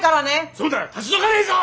そうだ立ち退かないぞ！